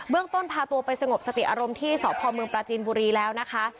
เบื้องต้นพาตัวไปสงบสติอารมณ์ที่สพมปลาจีนบุรีแล้วนะคะ